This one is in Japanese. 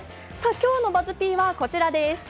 今日のＢＵＺＺ−Ｐはこちらです。